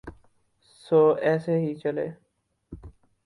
سو ایسے ہی چلے۔